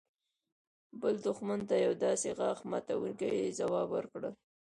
بل دښمن ته يو داسې غاښ ماتونکى ځواب ورکړل.